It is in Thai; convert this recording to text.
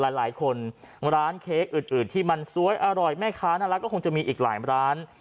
หลายคนร้านเค้กอื่นที่มันสวยอร่อยแม่ค้าน่ารักก็คงจะมีอีกหลายร้าน